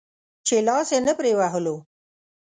چې لاس يې نه پرې وهلو.